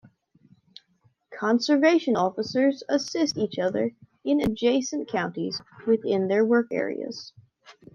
Conservation officers assist each other in adjacent counties within their work areas.